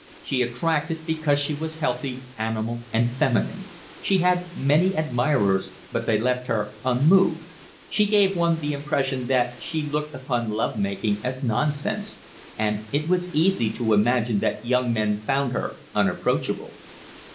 She attracted because she was healthy, animal, and feminine. She had many admirers, but they left her unmoved; she gave one the impression that she looked upon love making as nonsense; and it was easy to imagine that young men found her unapproachable.